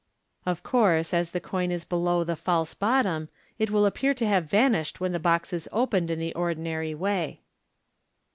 Of course, as the coin is below the false bottom, it will appear to have vanished when the box is opened in the ordinary way.